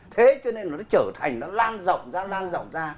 thế cho nên nó trở thành nó lan rộng ra